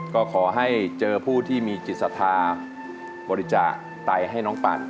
ก็ขอให้เจอผู้ที่มีจิตศรัทธาบริจาคไตให้น้องปั่น